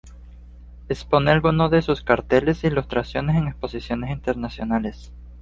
Expone algunos de sus carteles e ilustraciones en exposiciones internacionales.